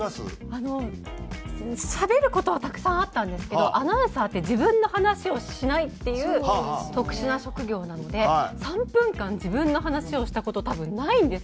あのしゃべる事はたくさんあったんですけどアナウンサーって自分の話をしないっていう特殊な職業なので３分間自分の話をした事多分ないんですよ。